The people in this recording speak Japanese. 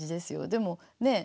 でもねえ？